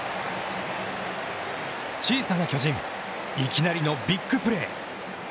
小さな巨人、いきなり甲子園でビッグプレー。